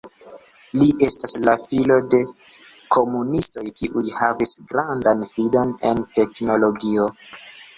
Li estas la filo de komunistoj kiuj havis grandan fidon en teknologio.